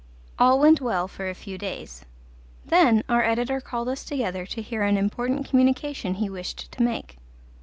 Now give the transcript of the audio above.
All went well for a few days. Then our editor called us together to hear an important communication he wished to make.